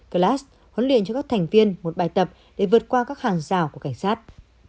class huấn luyện cho các thành viên một bài tập để vượt qua các hàng rào của cảnh sát